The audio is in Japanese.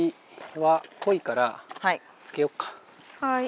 はい。